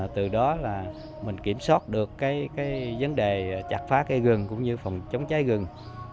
từ đó là mình kiểm soát được cái vấn đề chặt phá cây rừng cũng như phòng chống cháy rừng